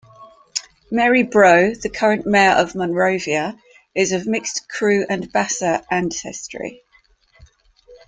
Mary Broh, the current mayor of Monrovia, is of mixed Kru and Bassa ancestry.